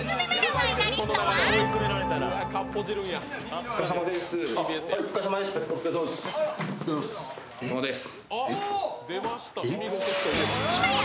お疲れさまです。